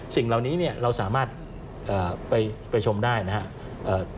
สิ่งเหล่านี้เนี่ยเราสามารถไปชมได้นะครับ